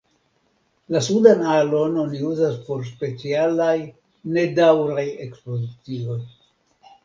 La sudan alon oni uzas por specialaj, nedaŭraj ekspozicioj.